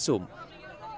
untuk dilakukan visum